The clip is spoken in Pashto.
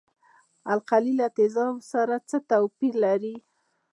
القلي له تیزابو سره څه توپیر لري.